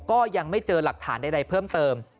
ก็ยังไม่เจอหลักฐานใดเพิ่มเติม